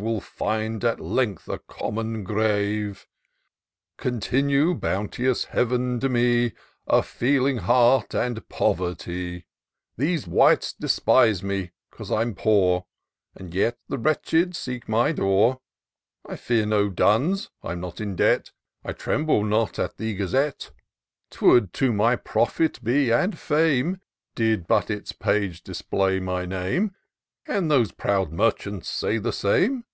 Will find at length a common grave. Continue, bounteous Heav'n ! to me, A feeling heart, and poverty. TOUR OF DOCTOR SYNTAX These wights despise me, *cause I'm poor ! But yet the wretched seek my door : I fear no duns, I'm not in debt, I tremble not at the Gazette : 'Twould to my profit be, and fame. Did but its page display my name ; Can these proud merchants say the same